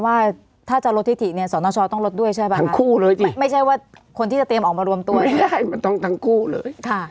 พระอาจารย์กำลังจะหมายความว่า